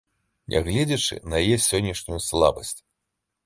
Нягледзячы на яе сённяшнюю слабасць.